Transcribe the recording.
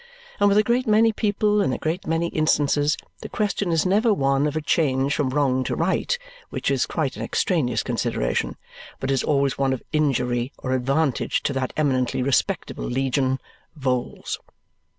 And with a great many people in a great many instances, the question is never one of a change from wrong to right (which is quite an extraneous consideration), but is always one of injury or advantage to that eminently respectable legion, Vholes.